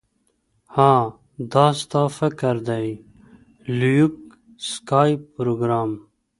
ها دا ستا فکر دی لیوک سکای پروګرامر